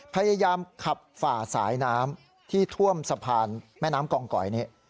พยายามขับฝ่าสายน้ำที่ท่วมสะพานแม่น้ำกองกอยนี้